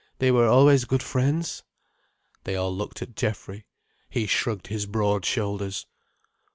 "They were always good friends." They all looked at Geoffrey. He shrugged his broad shoulders.